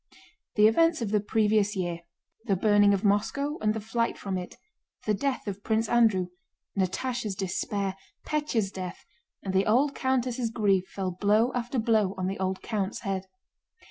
The events of the previous year: the burning of Moscow and the flight from it, the death of Prince Andrew, Natásha's despair, Pétya's death, and the old countess' grief fell blow after blow on the old count's head.